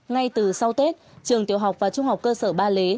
ngay từ sau tết trường tiểu học và trung học cơ sở ba lý